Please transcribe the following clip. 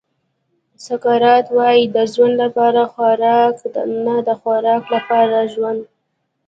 سقراط وایي د ژوند لپاره خوراک نه د خوراک لپاره ژوند.